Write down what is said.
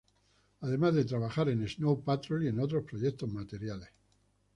Además de trabajar en Snow Patrol y en otros proyectos materiales.